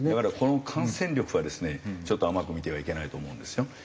だからこの感染力はですねちょっと甘く見てはいけないと思うんですよ。